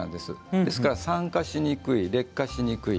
ですから、酸化しにくい劣化しにくい。